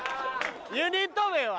ユニット名は？